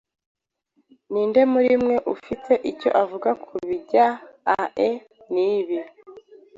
Ninde muri mwe ufite icyo avuga kubijyae nibi?